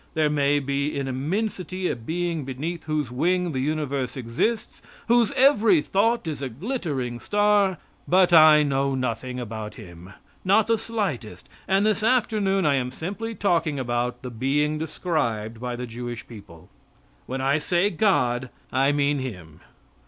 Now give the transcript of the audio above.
There may be in immensity a being beneath whose wing the universe exists, whose every thought is a glittering star, but I know nothing about Him, not the slightest, and this afternoon I am simply talking about the being described by the Jewish people. When I say God, I mean Him.